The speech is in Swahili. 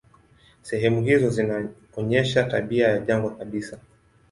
Sehemu hizo zinaonyesha tabia ya jangwa kabisa.